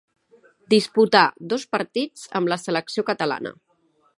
Disputà dos partits amb la selecció catalana.